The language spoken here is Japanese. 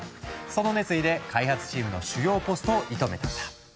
その熱意で開発チームの主要ポストを射止めたんだ。